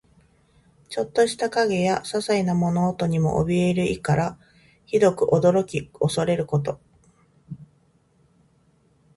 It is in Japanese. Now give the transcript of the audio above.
ちょっとした影やささいな物音にもおびえる意から、ひどく驚き怖れること。